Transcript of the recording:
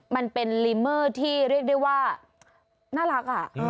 มันเป็นลิเมอร์ที่เรียกได้ว่าน่ารัก